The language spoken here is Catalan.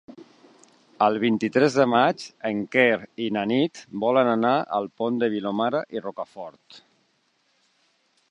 El vint-i-tres de maig en Quer i na Nit volen anar al Pont de Vilomara i Rocafort.